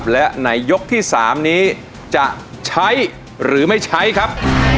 และในยกที่๓นี้จะใช้หรือไม่ใช้ครับ